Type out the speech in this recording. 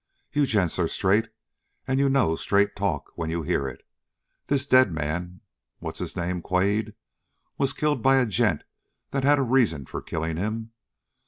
You gents are straight, and you know straight talk when you hear it. This dead man what's his name, Quade? was killed by a gent that had a reason for killing him.